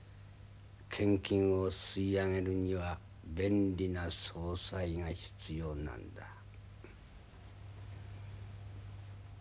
献金を吸いあげるには便利な総裁が必要なんだ。